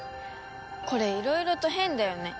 これいろいろと変だよね。